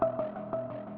tante agak sedikit capek nih